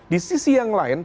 di sisi yang lain